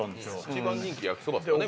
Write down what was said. １番人気焼きそばですかね。